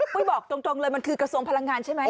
บอกตรงเลยมันคือกระทรวงพลังงานใช่ไหม